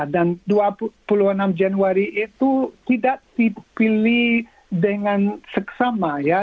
dan dua puluh enam januari itu tidak dipilih dengan seksama ya